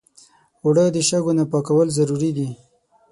اوړه د شګو نه پاکول ضروري دي